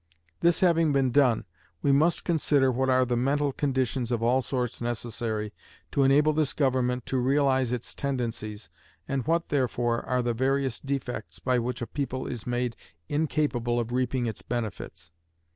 This having been done, we must consider what are the mental conditions of all sorts necessary to enable this government to realize its tendencies, and what, therefore, are the various defects by which a people is made incapable of reaping its benefits.